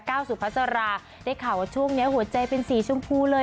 สุภาษาราได้ข่าวว่าช่วงนี้หัวใจเป็นสีชมพูเลย